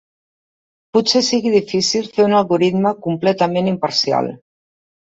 Potser sigui difícil fer un algoritme completament imparcial.